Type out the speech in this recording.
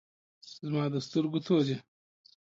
زما د سترګو تور یی